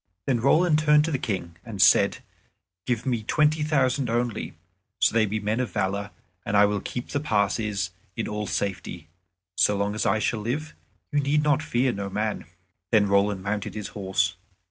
Then Roland turned to the King and said, "Give me twenty thousand only, so they be men of valor, and I will keep the passes in all safety. So long as I shall live, you need fear no man." Then Roland mounted his horse.